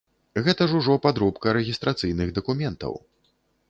Гэта ж ужо падробка рэгістрацыйных дакументаў.